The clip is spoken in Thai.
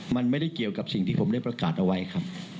มันไม่ได้เกี่ยวกับสิ่งที่ผมได้ประกาศเอาไว้ครับ